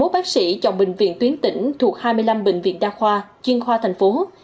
một trăm bốn mươi một bác sĩ chọn bệnh viện tuyến tỉnh thuộc hai mươi năm bệnh viện đa khoa chuyên khoa thành phố